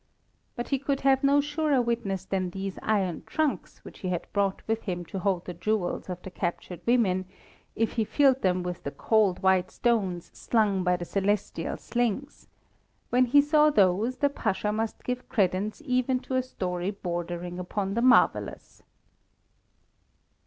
But he could have no surer witness than these iron trunks, which he had brought with him to hold the jewels of the captured women, if he filled them with the cold white stones slung by the celestial slings; when he saw those the Pasha must give credence even to a story bordering upon the marvellous.